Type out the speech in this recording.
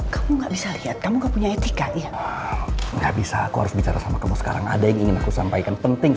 kamu kayak nyerah memang